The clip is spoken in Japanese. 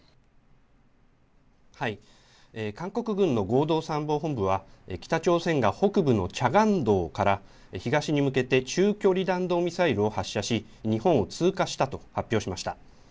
韓国軍の合同参謀本部は北朝鮮が北部のチャガン道から東に向けて中距離弾道ミサイルを発射し、日本を通過したと発表しました。